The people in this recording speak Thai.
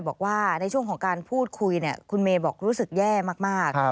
บอกว่าในช่วงของการพูดคุยคุณเมย์บอกรู้สึกแย่มาก